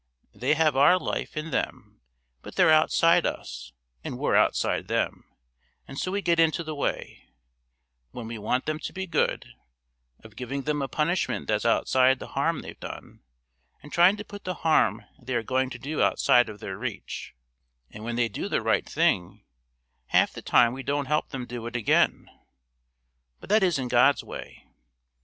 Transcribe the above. They have our life in them, but they're outside us and we're outside them, and so we get into the way, when we want them to be good, of giving them a punishment that's outside the harm they've done, and trying to put the harm they are going to do outside of their reach; and when they do the right thing, half the time we don't help them to do it again. But that isn't God's way.